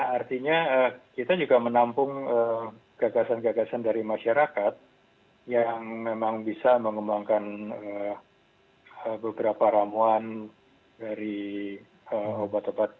artinya kita juga menampung gagasan gagasan dari masyarakat yang memang bisa mengembangkan beberapa ramuan dari obat obatan